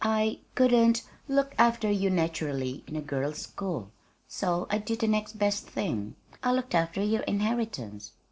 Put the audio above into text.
I couldn't look after you, naturally in a girls' school so I did the next best thing. I looked after your inheritance."